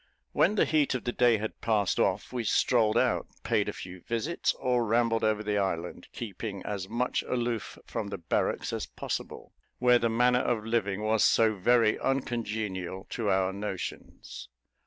When the heat of the day had passed off, we strolled out, paid a few visits, or rambled over the island; keeping as much aloof from the barracks as possible, where the manner of living was so very uncongenial to our notions.